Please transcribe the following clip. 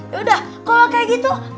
ya elah dodot